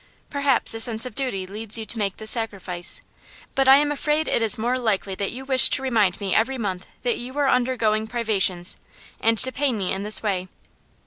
Perhaps a sense of duty leads you to make this sacrifice, but I am afraid it is more likely that you wish to remind me every month that you are undergoing privations, and to pain me in this way.